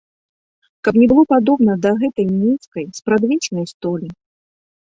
Каб не было падобна да гэтай нізкай спрадвечнай столі.